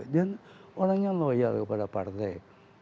dan orangnya loyal kepada partai